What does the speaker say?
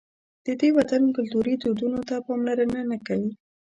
د دې وطن کلتوري دودونو ته پاملرنه نه کوي.